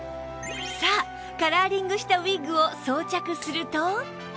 さあカラーリングしたウィッグを装着すると